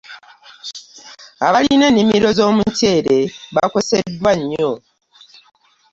Abalina ennimiro z'omuceere bakoseddwa nnyo.